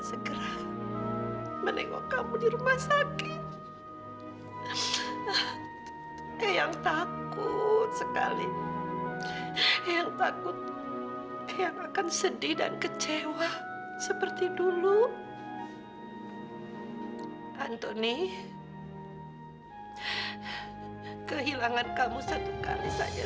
sampai jumpa di video selanjutnya